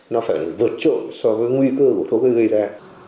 nó phải vượt trội so với nguy cơ của thuốc gây ra